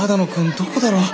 どこだろ？